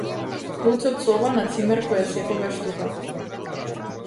Клуч од соба на цимер кој е секогаш тука.